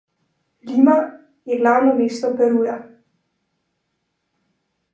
Lima je glavno mesto Peruja.